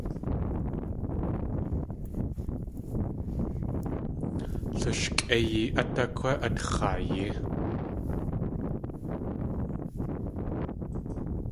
Lushikʼéiyi át ákwé atxaayí?